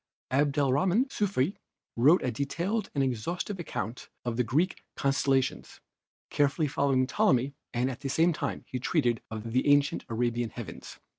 Abdelrahman Sufi wrote a detailed and exhaustive account of the Greek constellations, carefully following Ptolemy, and at the same time he treated of the ancient Arabian heavens.